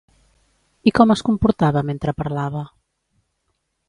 I com es comportava mentre parlava?